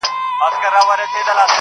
نه په ژوندون وه پر چا راغلي -